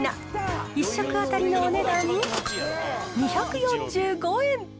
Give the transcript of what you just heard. １食当たりのお値段２４５円。